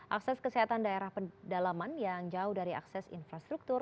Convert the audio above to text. akses kesehatan daerah pedalaman yang jauh dari akses infrastruktur